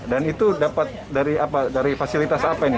dan itu dapat dari apa dari fasilitas apa ini